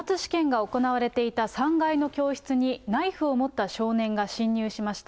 期末試験が行われていた３階の教室にナイフを持った少年が侵入しました。